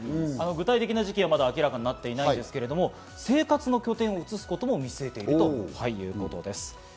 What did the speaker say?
具体的な時期は明らかになっていないんですけれども、生活の拠点を移すことも見据えているということです。